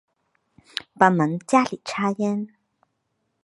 帮忙家里插秧